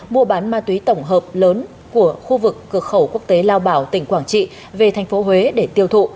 mua bán ma túy tổng hợp lớn của khu vực cửa khẩu quốc tế lao bảo tỉnh quảng trị về thành phố huế để tiêu thụ